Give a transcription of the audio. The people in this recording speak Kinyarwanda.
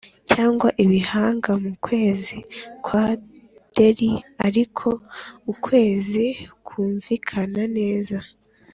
cyangwa ibihanga mukwezi kwa dell ariko ukwezi kwumvikana neza